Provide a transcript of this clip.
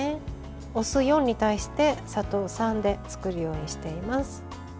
お酢４に対して砂糖３で作るようにしています。